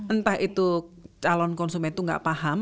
entah itu calon konsumen itu nggak paham